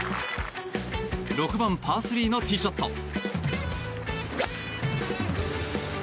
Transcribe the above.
６番、パー３のティーショット。